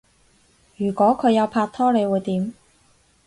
如果佢有拍拖你會點？